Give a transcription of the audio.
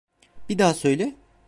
Bir daha söyle.